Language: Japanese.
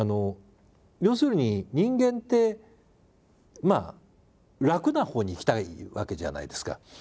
要するに人間って楽なほうに行きたいわけじゃないですか。